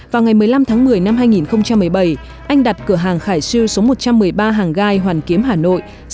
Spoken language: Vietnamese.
vào ngày một mươi năm tháng một mươi năm hai nghìn một mươi bảy anh đặt cửa hàng khải siêu số một trăm một mươi ba hàng gai hoàn kiếm hà nội